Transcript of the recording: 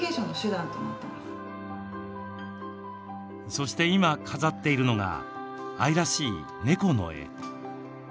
そして今、飾っているのが愛らしい猫の絵。